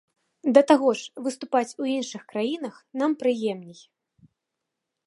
Да таго ж, выступаць у іншых краінах нам прыемней.